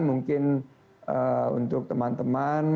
mungkin untuk teman teman